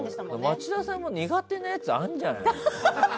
町田さんも苦手なやつあるんじゃない？